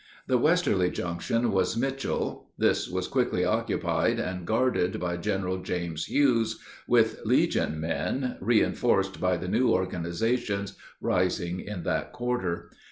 The westerly junction was Mitchell. This was quickly occupied and guarded by General James Hughes, with Legion men, reinforced by the new organizations rising in that quarter.